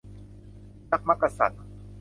ยักษ์มักกะสัน